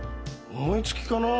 思いつきかな？